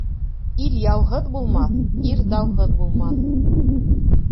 Ил яуһыҙ булмаҫ, ир дауһыҙ булмаҫ.